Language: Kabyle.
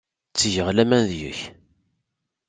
Ttgeɣ laman deg-k.